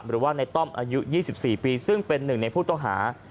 หรือว่าในต้อมอายุ๒๔ปีซึ่งเป็นหนึ่งในผู้ต้องหา